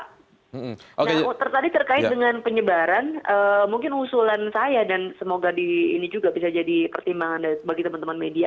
nah tadi terkait dengan penyebaran mungkin usulan saya dan semoga ini juga bisa jadi pertimbangan bagi teman teman media